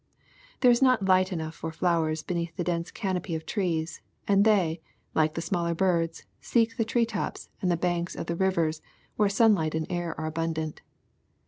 There is not light enough for flowers beneath the dense canopy of trees, and they, like the smaller birds, seek the tree tops and the banks of the river whei'e sunlight and air are abundant.